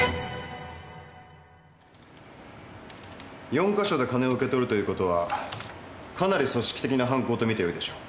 ４か所で金を受け取るということはかなり組織的な犯行と見てよいでしょう。